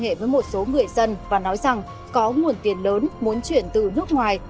công an tp họa long đã liên hệ với một số người dân và nói rằng có nguồn tiền lớn muốn chuyển từ nước ngoài